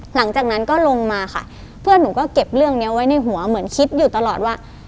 หลังจากนั้นก็ลงมาค่ะเพื่อนหนูก็เก็บเรื่องนี้ไว้ในหัวเหมือนคิดอยู่ตลอดว่า